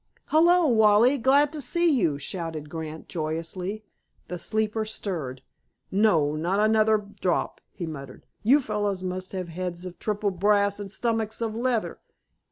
"Hullo! Wally! Glad to see you!" shouted Grant joyously. The sleeper stirred. "No, not another drop!" he muttered. "You fellows must have heads of triple brass and stomachs of leather!"